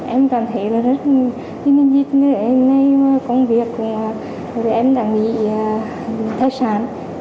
em cảm thấy rất nguy hiểm vì em đang bị thất sản